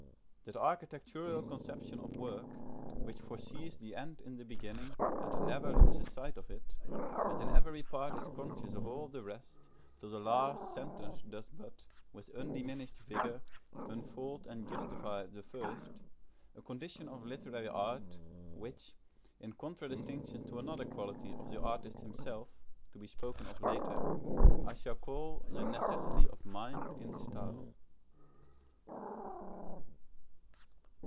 that architectural conception of work, which foresees the end in the beginning and never loses sight of it, and in every part is conscious of all the rest, till the last sentence does but, with undiminished vigour, unfold and justify the first a condition of literary art, which, in contradistinction to another quality of the artist himself, to be spoken of later, I shall call the necessity of mind in style.